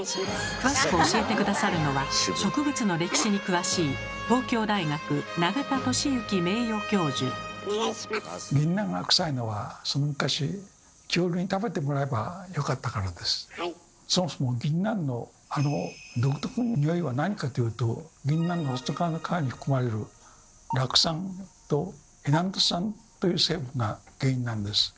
詳しく教えて下さるのは植物の歴史に詳しいその昔そもそもぎんなんのあの独特なニオイは何かというとぎんなんの外側の皮に含まれる「酪酸」と「エナント酸」という成分が原因なんです。